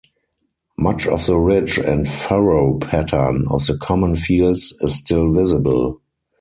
Much of the ridge and furrow pattern of the common fields is still visible.